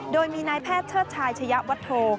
โดยมีนายแพทย์เชิดชายชะยะวัตโธ